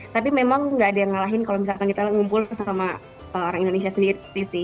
tapi memang nggak ada yang ngalahin kalau misalkan kita ngumpul sama orang indonesia sendiri sih